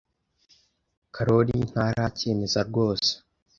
Karoli ntaracyemeza rwose.